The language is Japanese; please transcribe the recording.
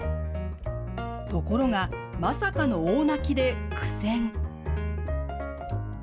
ところが、まさかの大泣きで苦戦。